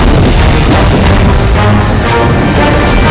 jangan berlaku ternyata orang yang menyerang wap adalah kau